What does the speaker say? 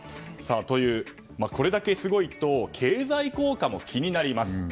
これだけすごいと経済効果も気になります。